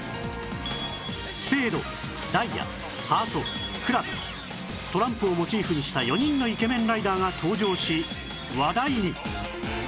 スペードダイヤハートクラブトランプをモチーフにした４人のイケメンライダーが登場し話題に！